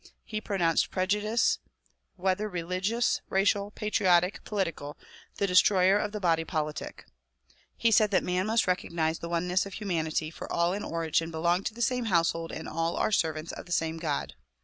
He pronounced prejudice, whether religious, racial, patriotic, political, the destroyer of the body politic. He said that man must recognize the oneness of humanity, for all in origin belong to the same household and all are servants of the same God.